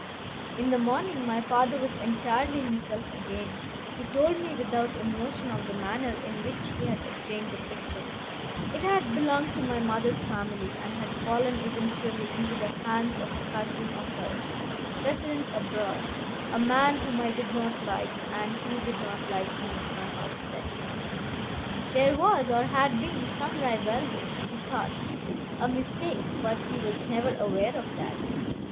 In the morning my father was entirely himself again. He told me without emotion of the manner in which he had obtained the picture. It had belonged to my mother's family, and had fallen eventually into the hands of a cousin of hers, resident abroad, "A man whom I did not like, and who did not like me," my father said; "there was, or had been, some rivalry, he thought: a mistake, but he was never aware of that.